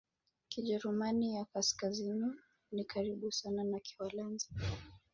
Kijerumani ya Kaskazini ni karibu sana na Kiholanzi.